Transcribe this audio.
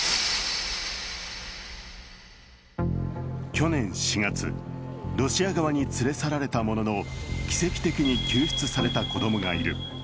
去年４月、ロシア側に連れ去られたものの奇跡的に救出された子供がいる。